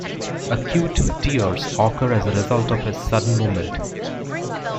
Acute tears occur as a result of a sudden movement.